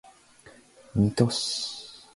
水戸市